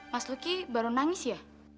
mas lucky baru nangis ya